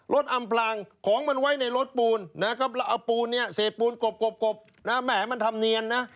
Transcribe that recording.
อำพลางของมันไว้ในรถปูนนะครับแล้วเอาปูนเนี่ยเศษปูนกบนะแหมมันทำเนียนนะ